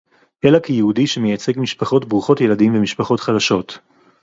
אלא כיהודי שמייצג משפחות ברוכות ילדים ומשפחות חלשות